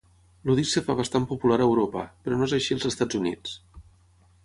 El disc es fa bastant popular a Europa, però no és així als Estats Units.